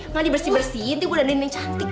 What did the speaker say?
mandi bersih bersihin gue dandanin yang cantik